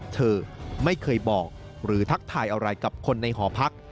เธอไม่เคยบอกหรือทักทายอะไรกับคนในหอพัก